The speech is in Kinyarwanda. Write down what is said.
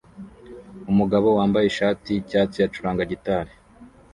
Umugabo wambaye ishati yicyatsi acuranga gitari